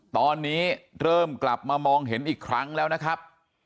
ตอนนี้เริ่มกลับมามองเห็นอีกครั้งแล้วนะครับ